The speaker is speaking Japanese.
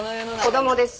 子供です。